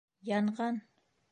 Янған!